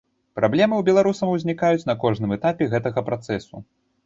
Праблемы ў беларусаў узнікаюць на кожным этапе гэтага працэсу.